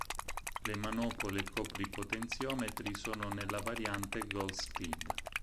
Le manopole copri-potenziometri sono nella variante Gold Speed.